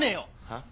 はっ？